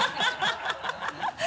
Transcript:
ハハハ